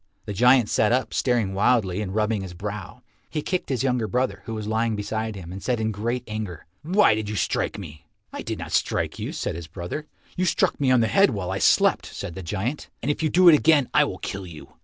The giant sat up staring wildly and rubbing his brow. He kicked his younger brother, who was lying beside him, and said in great anger, "Why did you strike me?" "I did not strike you," said his brother. "You struck me on the head while I slept," said the giant, "and if you do it again I will kill you."